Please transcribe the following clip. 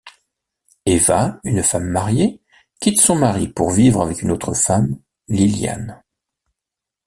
Eva, une femme mariée, quitte son mari pour vivre avec une autre femme, Liliane.